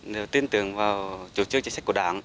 đều tin tưởng vào chủ trương chính sách của đảng